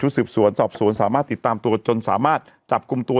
สืบสวนสอบสวนสามารถติดตามตัวจนสามารถจับกลุ่มตัว